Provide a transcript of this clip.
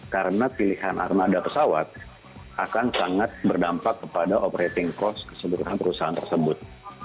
karena pilihan armada pesawat akan sangat berdampak kepada operating cost keseberan perusahaan